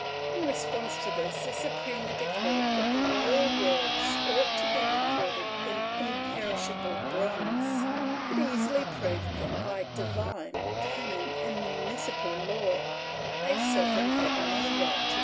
In response to this the Suprema declared that the royal words ought to be recorded in imperishable bronze ; it easily proved that by divine, canon and municipal law, a sovereign had no right ^ Howard M.